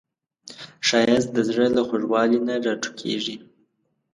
ښایست د زړه له خوږوالي نه راټوکېږي